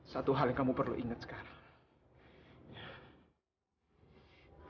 satu hal yang kamu perlu ingat sekarang